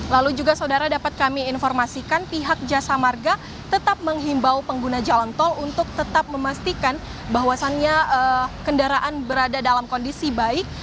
lalu juga saudara dapat kami informasikan pihak jasa marga tetap menghimbau pengguna jalan tol untuk tetap memastikan bahwasannya kendaraan berada dalam kondisi baik